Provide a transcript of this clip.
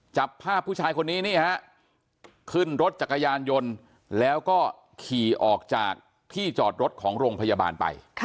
จับภาพผู้ชายคนนี้นี่ฮะขึ้นรถจักรยานยนต์แล้วก็ขี่ออกจากที่จอดรถของโรงพยาบาลไป